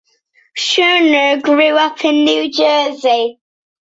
Scherer grew up in New Jersey.